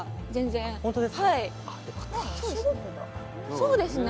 そうですね。